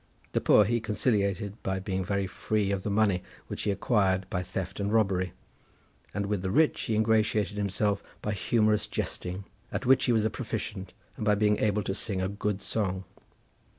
The poor he conciliated by being very free of the money which he acquired by theft and robbery, and with the rich he ingratiated himself by humorous jesting, at which he was a proficient, and by being able to sing a good song.